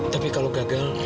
tapi kalau gagal